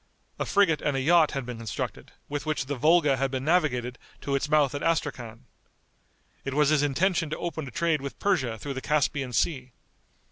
A frigate and a yacht had been constructed, with which the Volga had been navigated to its mouth at Astrachan. It was his intention to open a trade with Persia through the Caspian Sea.